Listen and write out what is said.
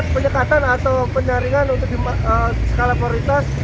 penyekatan atau penyaringan untuk skala prioritas